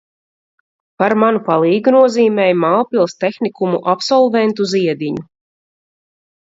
Par manu palīgu nozīmēja Mālpils tehnikumu absolventu Ziediņu.